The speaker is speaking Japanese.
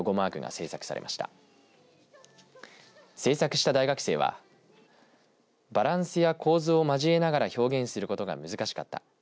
制作した大学生はバランスや構図を交えながら表現することが難しかった。